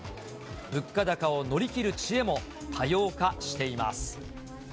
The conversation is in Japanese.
物価高を乗り切る知恵も多様化しています。